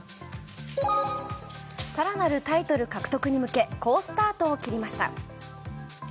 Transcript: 更なるタイトル獲得に向け好スタートを切りました。